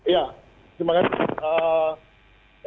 ya terima kasih